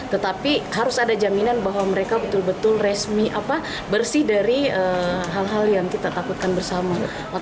tetapi harus ada jaminan bahwa mereka betul betul resmi bersih dari hal hal yang kita takutkan bersama